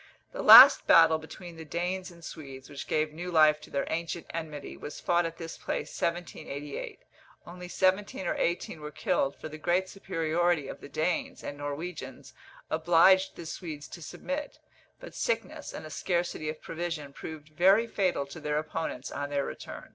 The last battle between the Danes and Swedes, which gave new life to their ancient enmity, was fought at this place 1788; only seventeen or eighteen were killed, for the great superiority of the Danes and Norwegians obliged the Swedes to submit; but sickness, and a scarcity of provision, proved very fatal to their opponents on their return.